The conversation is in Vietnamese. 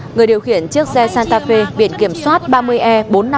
người điều khiển chiếc xe santa fe viện kiểm soát ba mươi e bốn mươi năm nghìn năm trăm ba mươi bốn